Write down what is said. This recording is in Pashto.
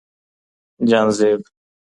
جهانزېب